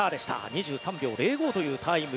２３秒０５というタイム。